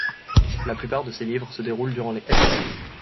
La plupart de ses livres se déroulent durant les s.